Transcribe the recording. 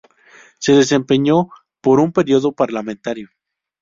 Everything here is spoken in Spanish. Se desempeñó por un período parlamentario.